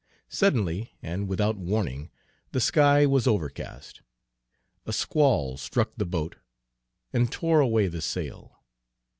Suddenly and without warning the sky was overcast. A squall struck the boat and tore away the sail.